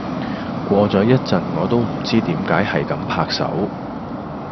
過咗一陣我都唔知點解係咁拍曬手